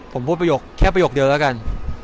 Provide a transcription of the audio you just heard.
ผมพูดแค่ประโยคเดียวแล้วกัน